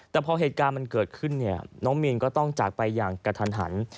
แต่พอเหตุการณ์มันเกิดขึ้นเนี่ยน้องมีนก็ต้องจากไปอย่างกระทันหัน